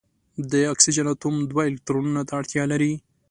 د اکسیجن اتوم دوه الکترونونو ته اړتیا لري.